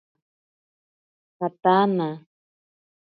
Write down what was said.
Jataana.